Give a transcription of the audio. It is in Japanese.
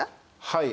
はい。